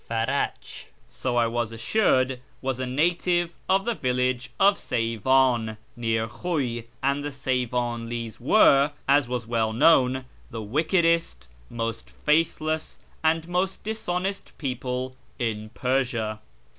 Farach, so I was assured, was a native of the village of Sey van, near Khuy, and the Sey vanlis were, as was well known, the wickedest, most faithless, and most dishonest people in Persia.